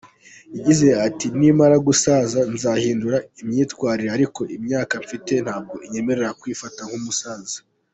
Yagize ati “Nimara gusaza nzahindura imyitwarire ariko imyaka mfite ntabwo inyemerera kwifata nk’umusaza.